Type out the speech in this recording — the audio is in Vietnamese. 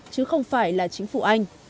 chứ không phải là chính phủ anh